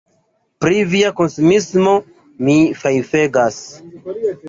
Pri via konsumismo mi fajfegas!